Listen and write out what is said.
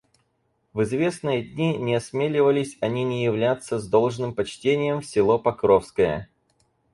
В известные дни не осмеливались они не являться с должным почтением в село Покровское.